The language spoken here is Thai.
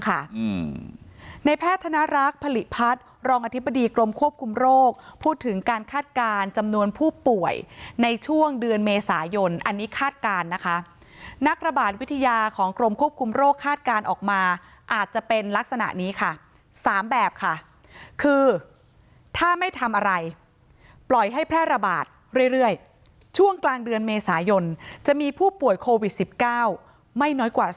ในแพทย์ธนรักษ์ผลิตพัฒน์รองอธิบดีกรมควบคุมโรคพูดถึงการคาดการณ์จำนวนผู้ป่วยในช่วงเดือนเมษายนอันนี้คาดการณ์นะคะนักระบาดวิทยาของกรมควบคุมโรคคาดการณ์ออกมาอาจจะเป็นลักษณะนี้ค่ะสามแบบค่ะคือถ้าไม่ทำอะไรปล่อยให้แพร่ระบาดเรื่อยช่วงกลางเดือนเมษายนจะมีผู้ป่วยโควิดสิบเก้าไม่น้อยกว่าส